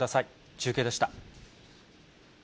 中継でした。